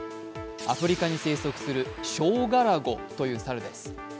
アフリカに生息するショウガラゴという猿です。